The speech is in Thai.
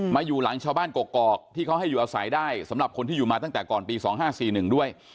มาอยู่หลังชาวบ้านกกอกที่เขาให้อยู่อาศัยได้สำหรับคนที่อยู่มาตั้งแต่ก่อนปี๒๕๔๑ด้วย